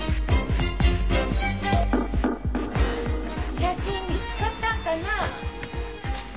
写真見つかったんかな？